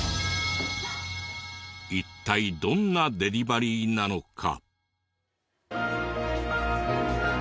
一体どんなデリバリーなのか？